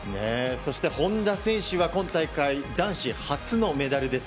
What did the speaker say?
そして本多選手は今大会男子初のメダルです。